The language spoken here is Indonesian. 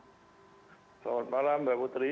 selamat malam mbak putri